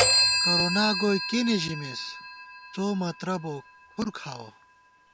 کرونا گوئی کېنےژِمېس څو مترہ بو کھُر کھاوَہ